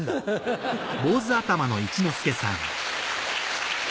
ハハハハ！